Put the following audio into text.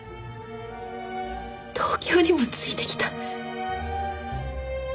東京にもついてきた。